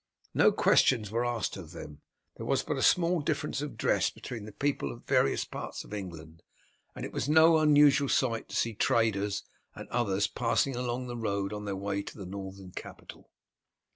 No questions were asked them. There was but small difference of dress between the people of the various parts of England, and it was no unusual sight to see traders and others passing along the road on their way to the Northern capital.